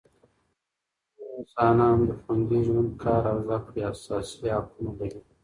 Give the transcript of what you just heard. ټول انسانان د خوندي ژوند، کار او زده کړې اساسي حقونه لري.